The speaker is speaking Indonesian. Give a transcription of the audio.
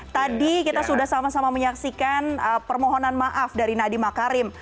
tadi kita sudah sama sama menyaksikan permohonan maaf dari nadiem makarim